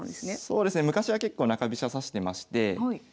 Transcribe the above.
そうですね昔は結構中飛車指してまして。